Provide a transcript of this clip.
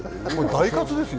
大喝ですよ。